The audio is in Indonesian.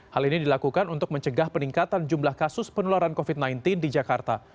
hal ini dilakukan untuk mencegah peningkatan jumlah kasus penularan covid sembilan belas di jakarta